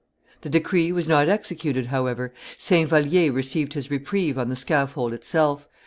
The decree was not executed, however; Saint Vallier received his reprieve on the scaffold itself.